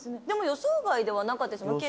でも予想外ではなかったです。